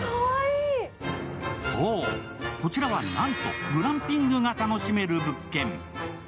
そう、こちらはなんとグランピングが楽しめる物件。